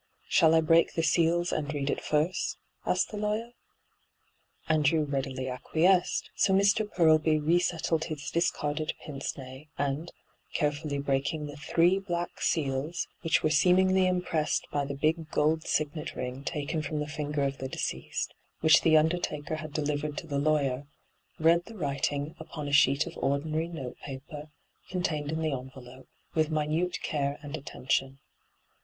Shall I break the seals and read it first V asked the lawyer. Andrew readily acquiesced, so Mr. Purlby resettled his discarded pince nez, and, carefully breaking the three black seals, which were seemingly impressed by the big gold signet ring taken from the finger of the deceased, which the undertaker had delivered to the lawyer, read the writing upon a sheet of D,gt,, 6rtbyGOOglC 94 ENTRAPPED ordinary note paper, contained in the envelope, with minute care and attention.